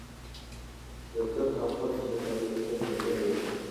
د ترک او خلج له طایفو سره جنګونه وکړل.